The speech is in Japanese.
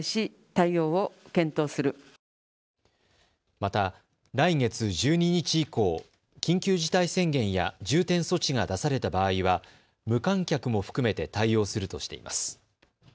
また来月１２日以降、緊急事態宣言や重点措置が出された場合は無観客も含めて対応するとしています。